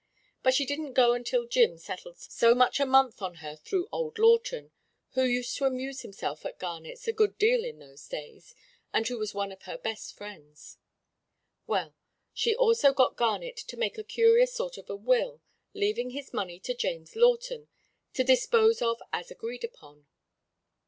But she didn't go until Jim settled so much a month on her through old Lawton who used to amuse himself at Garnett's a good deal in those days, and who was one of her best friends. "Well, she also got Garnett to make a curious sort of a will, leaving his money to James Lawton, to 'dispose of as agreed upon.'